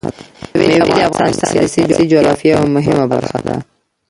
مېوې د افغانستان د سیاسي جغرافیه یوه مهمه برخه ده.